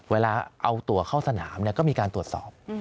เวลาเอาตัวเข้าสนามก็มีการตรวจสอบ